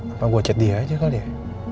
apa gua cat dia aja kali ya